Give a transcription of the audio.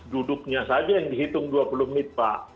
duduknya saja yang dihitung dua puluh menit pak